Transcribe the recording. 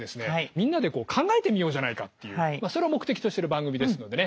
みんなで考えてみようじゃないかっていうそれを目的としてる番組ですのでね